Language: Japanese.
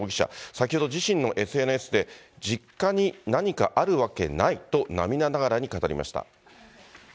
先ほど自身のＳＮＳで、実家に何かあるわけないと涙ながらに語りました。